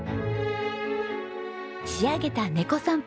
仕上げたネコさん